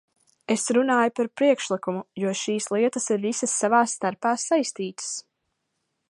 Es runāju par priekšlikumu, jo šīs lietas ir visas savā starpā saistītas.